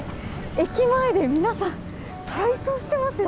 駅前で皆さん体操してますよ。